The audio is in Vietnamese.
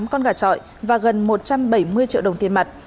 tám con gà trọi và gần một trăm bảy mươi triệu đồng tiền mặt